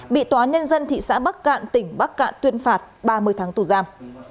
bị tòa nhân dân thị xã bắc cạn tỉnh bắc cạn tuyên phạt ba mươi tháng tù giam